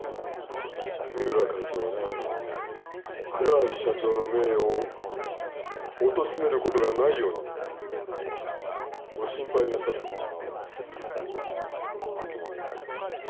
三村会長はね倉橋社長の名誉をおとしめることがないようにとご心配なさってるんだ。